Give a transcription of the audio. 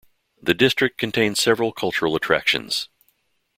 The district contains several cultural attractions.